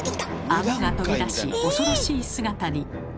アゴが飛び出し恐ろしい姿に。